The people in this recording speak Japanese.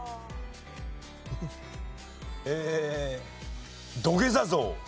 えー土下座像。